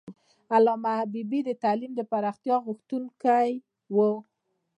علامه حبیبي د تعلیم د پراختیا غوښتونکی و.